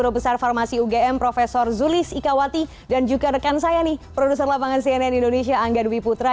biasa pada ada